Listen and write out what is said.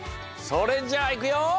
それじゃあいくよ！